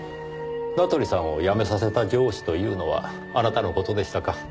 名取さんを辞めさせた上司というのはあなたの事でしたか。